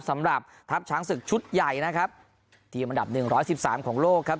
สำหรับทัพช้างศึกชุดใหญ่นะครับทีมอันดับหนึ่งร้อยสิบสามของโลกครับ